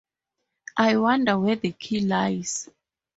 I wonder where the key lies.